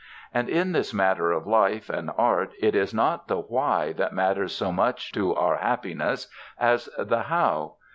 And in this matter of life and art it is not the Why that matters so much to our happiness as the How.